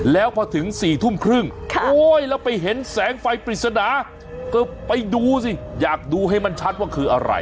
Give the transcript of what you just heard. แล้วพอถึง๔ทุ่มครึ่งแล้วไปเห็นแสงไฟปริศนาก็ไปดูสิอยากดูให้มันชัดว่าคืออะไร